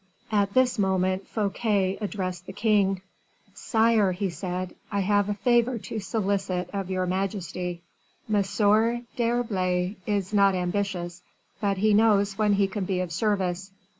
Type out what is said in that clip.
At this moment Fouquet addressed the king. "Sire," he said, "I have a favor to solicit of your majesty. M. d'Herblay is not ambitious, but he knows when he can be of service.